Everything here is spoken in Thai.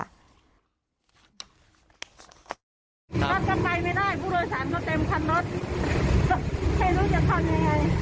รถกันไปไม่ได้บุรัยสารเขาเต็มคันรถไม่รู้จะทำยังไง